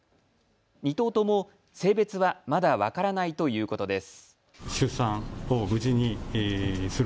２頭とも性別はまだ分からないということです。